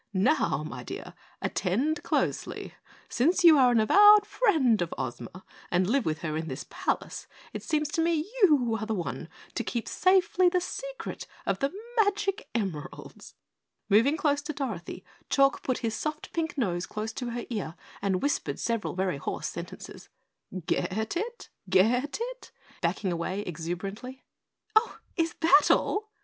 "Now, my dear, attend closely. Since you are the avowed friend of Ozma and live with her in this palace, it seems to me you are the one to keep safely the secret of the magic emeralds." Moving close to Dorothy, Chalk put his soft pink nose close to her ear and whispered several very hoarse sentences. "Get it? Get it?" he demanded, backing away exuberantly. "Oh is THAT all?"